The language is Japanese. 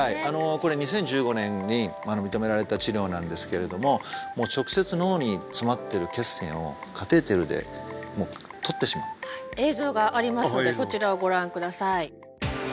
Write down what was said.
これ２０１５年に認められた治療なんですけれども直接脳に詰まってる血栓をカテーテルで取ってしまう映像がありますのでこちらをご覧ください